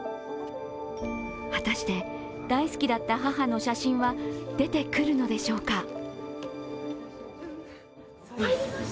果たして、大好きだった母の写真は出てくるのでしょうか。